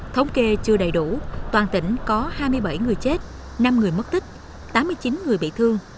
thống kê chưa đầy đủ toàn tỉnh có hai mươi bảy người chết năm người mất tích tám mươi chín người bị thương